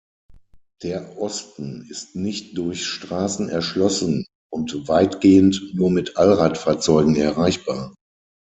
Der Osten ist nicht durch Straßen erschlossen und weitgehend nur mit Allrad-Fahrzeugen erreichbar.